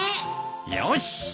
よし。